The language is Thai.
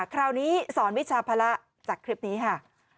คราวนี้สอนวิชาภาระจากคลิปนี้ค่ะ